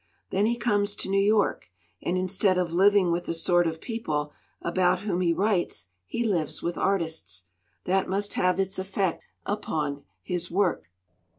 Then he comes to New York. And instead of living with the sort of people about whom he writes, he lives with artists. That must have its effect upon his work."